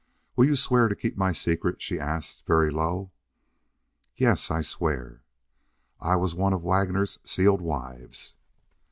"Will you swear to keep my secret?" she asked, very low. "Yes, I swear." "I was one of Waggoner's sealed wives!"